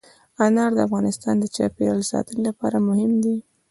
انار د افغانستان د چاپیریال ساتنې لپاره مهم دي.